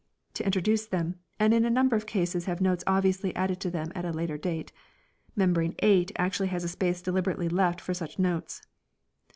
to introduce them and in a number of cases have notes obviously added to them at a later date (membrane 8 actually has space deliberately left for such notes).